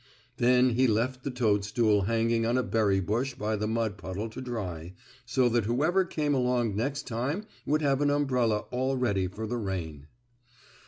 Then he left the toadstool hanging on a berry bush by the mud puddle to dry, so that whoever came along next time would have an umbrella all ready for the rain.